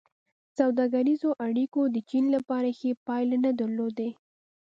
سوداګریزو اړیکو د چین لپاره ښې پایلې نه درلودې.